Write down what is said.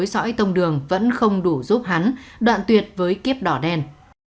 nhưng lỗi tông đường vẫn không đủ giúp hắn đoạn tuyệt với kiếp đỏ đen